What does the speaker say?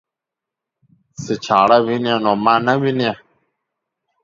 چې چاړه ويني نو ما نه ويني.